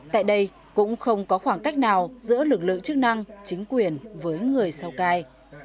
tại đây cũng không có khoảng cách nào giữa lực lượng chức năng chính quyền với người sau cai